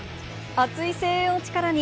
熱い声援を力に。